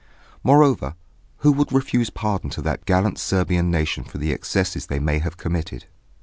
Moreover, who would refuse pardon to that gallant Serbian nation for the excesses they may have committed?